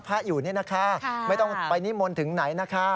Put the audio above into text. อยู่นี่นะคะไม่ต้องไปนิมนต์ถึงไหนนะคะ